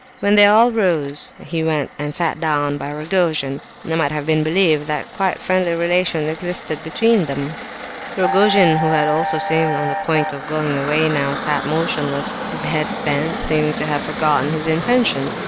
When they all rose, he went and sat down by Rogojin. It might have been believed that quite friendly relations existed between them. Rogojin, who had also seemed on the point of going away now sat motionless, his head bent, seeming to have forgotten his intention.